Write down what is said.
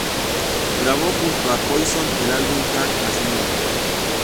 Grabó junto a Poison el álbum "Crack a Smile".